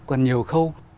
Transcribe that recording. còn nhiều khâu